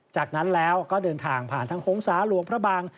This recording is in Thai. จากนั้นแล้วก็เดินทางผ่านทางหงษาหลวงพระบัง